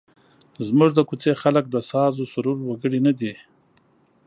زموږ د کوڅې خلک د سازوسرور وګړي نه دي.